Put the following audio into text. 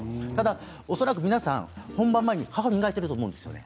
恐らく、皆さん本番前に歯を磨いていると思うんですね。